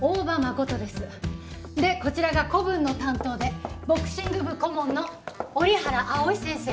でこちらが古文の担当でボクシング部顧問の折原葵先生。